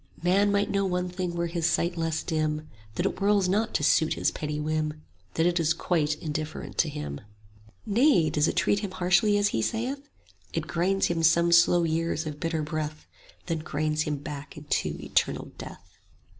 "Man might know one thing were his sight less dim; That it whirls not to suit his petty whim, That it is quite indifferent to him. "Nay, does it treat him harshly as he saith? 45 It grinds him some slow years of bitter breath, Then grinds him back into eternal death."